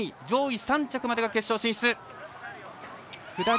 上位３着までが決勝進出です。